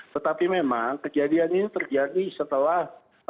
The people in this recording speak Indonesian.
tetapi memang kejadian ini terjadi setelah